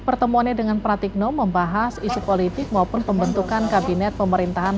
pertemuannya dengan pratikno membahas isu politik maupun pembentukan kabinet pemerintahan